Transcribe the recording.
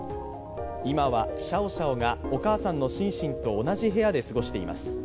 今はシャオシャオがお母さんのシンシンと同じ部屋で過ごしています。